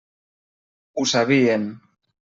Ho sabien.